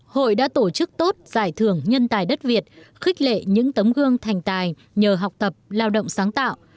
hội đã tổ chức tốt giải thưởng nhân tài đất việt khích lệ những tấm gương thành tài nhờ học tập lao động sáng tạo